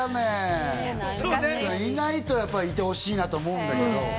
いないとやっぱり、いてほしいなと思うんだけど。